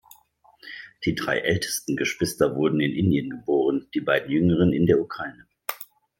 Die drei ältesten Geschwister wurden in Indien geboren, die beiden jüngeren in der Ukraine.